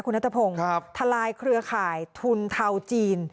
คุณนัทพงศ์ทลายเครือข่ายทุนเทาจีน